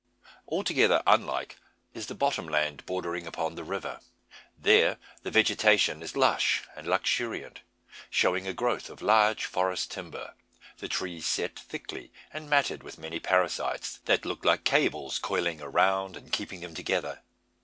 Altogether unlike is the bottom land bordering upon the river. There the vegetation is lush and luxuriant, showing a growth of large forest timber the trees set thickly, and matted with many parasites, that look like cables coiling around and keeping them together.